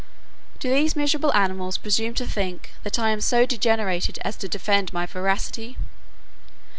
Do these miserable animals presume to think, that I am so degenerated as to defend my veracity?